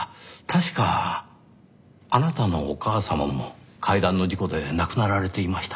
確かあなたのお母様も階段の事故で亡くなられていましたね。